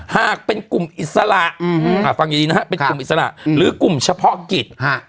หากเป็นกลุ่มอิสระฟังอยู่ดีนะฮะเป็นกลุ่มอิสระหรือกลุ่มเฉพาะกิจ